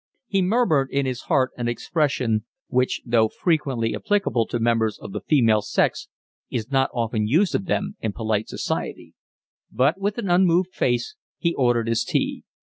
He murmured in his heart an expression which though frequently applicable to members of the female sex is not often used of them in polite society; but with an unmoved face he ordered his tea.